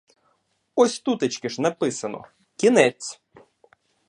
Ось тутечки ж написано: кінець.